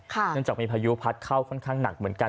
เนื่องจากมีพายุพัดเข้าค่อนข้างหนักเหมือนกัน